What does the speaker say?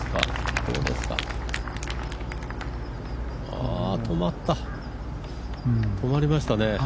ああ、止まった、止まりましたね。